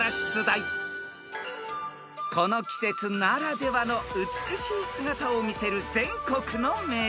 ［この季節ならではの美しい姿を見せる全国の名所］